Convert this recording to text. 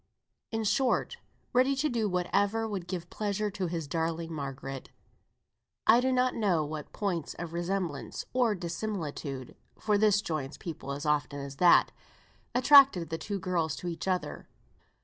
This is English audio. In short, ready to do whatever would give pleasure to his darling Margaret. I do not know what points of resemblance (or dissimilitude, for the one joins people as often as the other) attracted the two girls to each other.